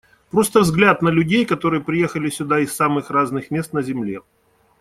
Просто взгляд на людей, которые приехали сюда из самых разных мест на земле.